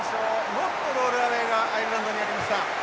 ノットロールアウェイがアイルランドにありました。